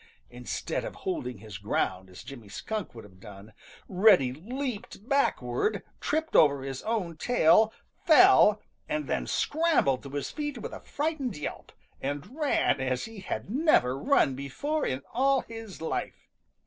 Instead of holding his ground as Jimmy Skunk would have done, Reddy leaped backward, tripped over his own tail, fell, and then scrambled to his feet with a frightened yelp, and ran as he had never run before in all his life.